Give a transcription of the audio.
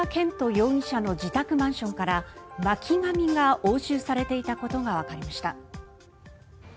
容疑者の自宅マンションから巻紙が押収されていたことがわかりました。